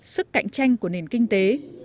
sức cạnh tranh của nền kinh tế